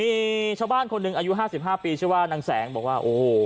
มีชาวบ้านคนหนึ่งอายุ๕๕ปีชื่อว่านางแสงบอกว่าโอ้โห